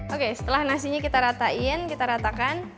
oke setelah nasinya kita ratakan